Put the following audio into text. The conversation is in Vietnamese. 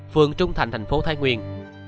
phường trung thành thành phố thái nguyên